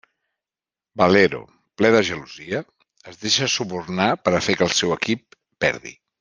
Valero, ple de gelosia, es deixa subornar per a fer que el seu equip perdi.